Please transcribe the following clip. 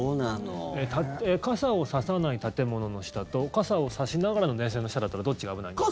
傘を差さない建物の下と傘を差しながらの電線の下だったらどっちが危ないんですか。